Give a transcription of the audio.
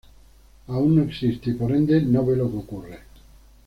Aún no existe y por ende no ve lo que ocurre.